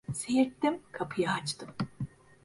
Seğirttim, kapıyı açtım.